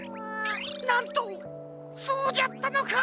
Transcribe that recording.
なんとそうじゃったのか。